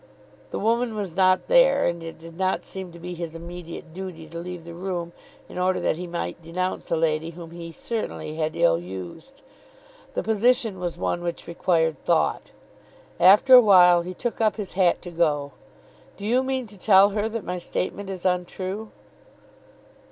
The woman was not there, and it did not seem to be his immediate duty to leave the room in order that he might denounce a lady whom he certainly had ill used. The position was one which required thought. After a while he took up his hat to go. "Do you mean to tell her that my statement is untrue?"